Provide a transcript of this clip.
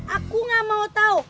aku gak mau tau